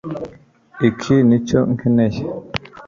Iki nicyo nkeneye